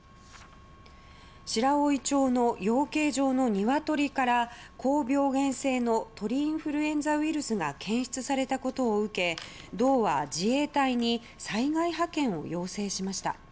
白老町の養鶏場のニワトリから高病原性の鳥インフルエンザウイルスが検出されたことを受け道は自衛隊に災害派遣を要請しました。